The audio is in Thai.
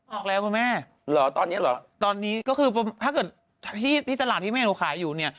ออกแล้วคุณแม่เหรอตอนนี้เหรอตอนนี้ก็คือถ้าเกิดที่ตลาดที่แม่หนูขายอยู่เนี่ย